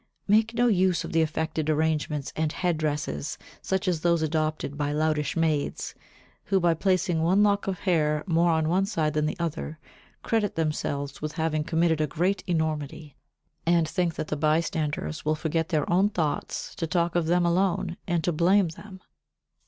Make no use of the affected arrangements and headdresses such as those adopted by loutish maids, who, by placing one lock of hair more on one side than the other, credit themselves with having committed a great enormity, and think that the bystanders will forget their own thoughts to talk of them alone, and to blame them.